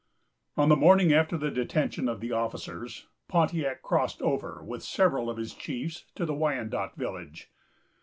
On the morning after the detention of the officers, Pontiac crossed over, with several of his chiefs, to the Wyandot village.